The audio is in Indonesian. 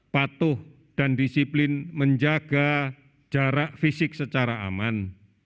patuh dan disiplin menjaga jarak fisik secara aman